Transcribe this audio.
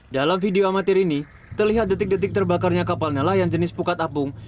dalam video amatir ini terlihat detik detik terbakarnya kapal nelayan jenis pukat apung